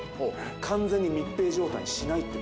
完全に密閉状態にしないっていう。